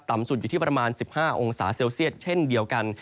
สุดอยู่ที่ประมาณ๑๕องศาเซลเซียตเช่นเดียวกัน